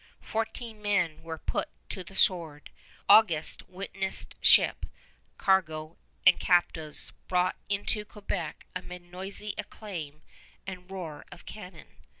Fourteen men were put to the sword. August witnessed ship, cargo, and captives brought into Quebec amid noisy acclaim and roar of cannon.